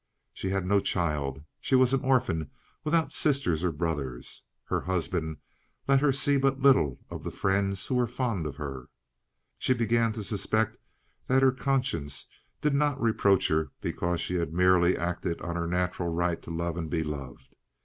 She had no child; she was an orphan without sisters or brothers. Her husband let her see but little of the friends who were fond of her. She began to suspect that her conscience did not reproach her because she had merely acted on her natural right to love and be loved.